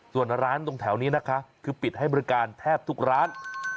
ส่วนร้านตรงแถวนี้นะคะคือปิดให้บริการแทบทุกร้าน